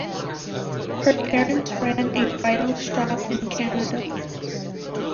Her parents ran a bridal shop in Canada.